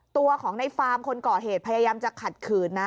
ตัวของในฟาร์มคนก่อเหตุพยายามจะขัดขืนนะ